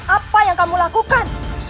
apa yang kamu lakukan